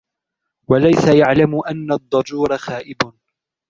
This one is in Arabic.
وَلَيْسَ يَعْلَمُ أَنَّ الضَّجُورَ خَائِبٌ